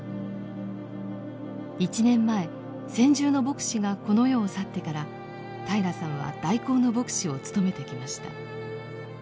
１年前専従の牧師がこの世を去ってから平良さんは代行の牧師を務めてきました。